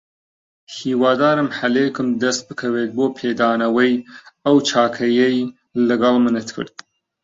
هیوادارم هەلێکم دەست بکەوێت بۆ پێدانەوەی ئەو چاکەیەی لەگەڵ منت کرد.